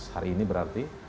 hari ini berarti